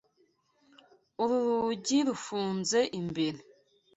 Uru rugi rufunze imbere.